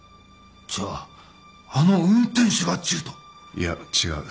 いや違う。